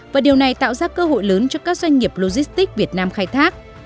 và điều này tạo ra cơ hội lớn cho các doanh nghiệp logistics việt nam khai thác